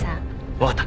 分かった。